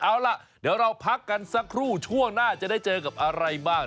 เอาล่ะเดี๋ยวเราพักกันสักครู่ช่วงหน้าจะได้เจอกับอะไรบ้าง